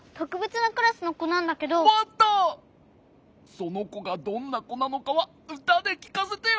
そのこがどんなこなのかはうたできかせてよ。